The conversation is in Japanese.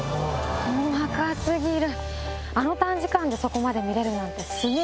細か過ぎる！